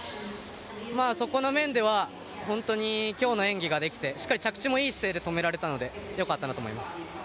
そこの面では今日の演技ができてしっかり着地もいい姿勢で止められたので良かったなと思います。